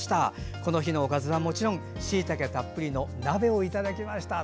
この日のおかずはもちろんしいたけたっぷりの鍋をいただきました。